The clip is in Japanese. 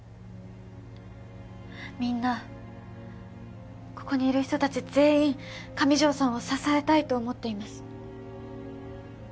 みんなここにいる人達全員上条さんを支えたいと思っています